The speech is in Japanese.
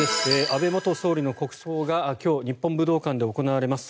安倍元総理の国葬が今日、日本武道館で行われます。